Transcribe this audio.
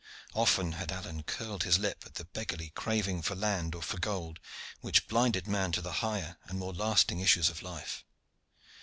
Often had Alleyne curled his lip at the beggarly craving for land or for gold which blinded man to the higher and more lasting issues of life.